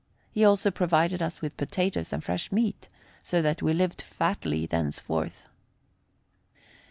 He also provided us with potatoes and fresh meat, so that we lived fatly thenceforth.